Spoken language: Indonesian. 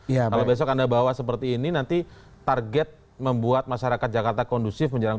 kalau besok anda bawa seperti ini nanti target membuat masyarakat jakarta kondusif menjelang